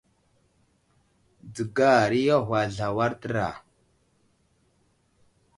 Dzəgar i aŋgwasl awar təra.